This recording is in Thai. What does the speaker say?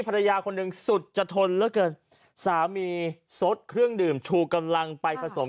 ภรรยาคนหนึ่งสุดจะทนเหลือเกินสามีสดเครื่องดื่มชูกำลังไปผสม